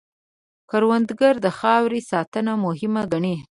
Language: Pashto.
کروندګر د خاورې ساتنه مهم ګڼي